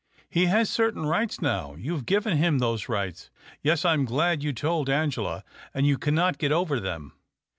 " He has certain rights now. You have given him those rights — yes, I am glad you told Angela — and you cannot get over them."